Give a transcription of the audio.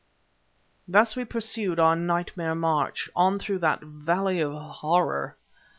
Thus we pursued our nightmare march, on through that valley of horror.